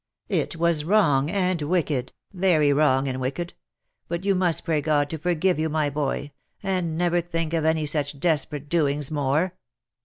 " It was wrong and wicked, very wrong and wicked ! but you must pray God to forgive you, my boy, and never think of any such desperate doings more."